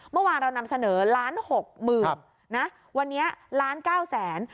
เมื่อวานเรานำเสนอ๑ล้าน๖หมื่นวันนี้๑ล้าน๙แสน